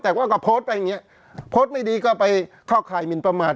แต่ว่าก็โพสต์ไปอย่างเงี้ยโพสต์ไม่ดีก็ไปเข้าข่ายหมินประมาท